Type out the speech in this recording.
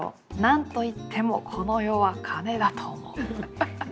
「なんと言ってもこの世は金だと思う」。